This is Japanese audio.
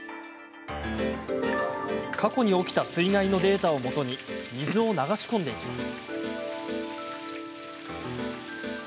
過去に起きた水害のデータをもとに水を流し込んでいきます。